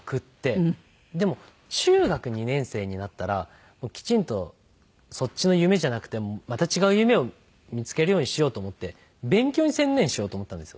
でも中学２年生になったらきちんとそっちの夢じゃなくてまた違う夢を見付けるようにしようと思って勉強に専念しようと思ったんですよ。